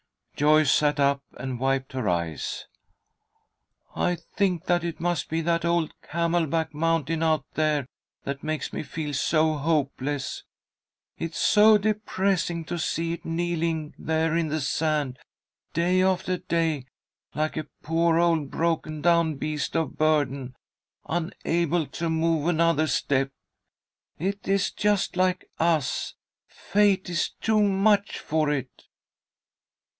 Joyce sat up and wiped her eyes. "I think that it must be that old camel back mountain out there that makes me feel so hopeless. It is so depressing to see it kneeling there in the sand, day after day, like a poor old broken down beast of burden, unable to move another step. It is just like us. Fate is too much for it."